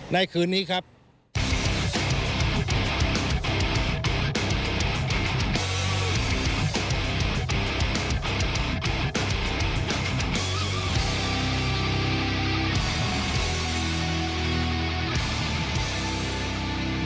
ในคืนนี้ครับ